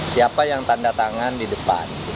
siapa yang tanda tangan di depan